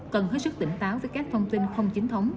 cần hết sức tỉnh táo với các thông tin không chính thống